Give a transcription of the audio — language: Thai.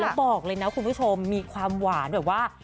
แล้วบอกเลยนะคุณผู้ชมมีความหวานแบบว่า